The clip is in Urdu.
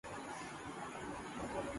تم اِس ہوٹیل میں ننگی نہیں جا سکتی ہو۔